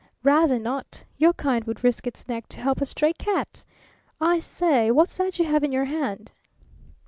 "Rather not! Your kind would risk its neck to help a stray cat. I say, what's that you have in your hand?"